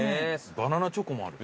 バナナチョコもある。